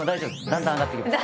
だんだん上がってきます。